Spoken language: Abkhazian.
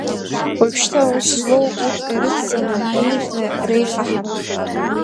Уажәшьҭа аус злоу урҭ ирыцҵаны, еиӷьны реихаҳароуп.